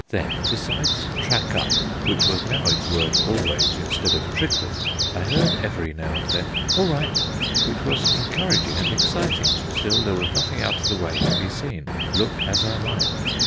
Then, besides Track up, which was now its word always instead of Trickle, I heard every now and then All right, which was encouraging and exciting. Still, there was nothing out of the way to be seen, look as I might.